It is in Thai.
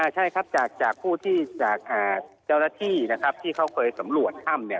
ใช่ครับจากผู้ที่จากเจ้าหน้าที่นะครับที่เขาเคยสำรวจถ้ำเนี่ย